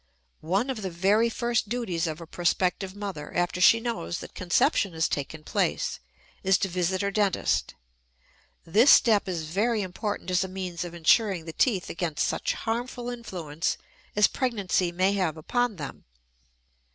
One of the very first duties of a prospective mother, after she knows that conception has taken place, is to visit her dentist. This step is very important as a means of insuring the teeth against such harmful influence as pregnancy may have upon them.